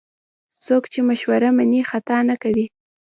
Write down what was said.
څوک چې مشوره مني، خطا نه کوي.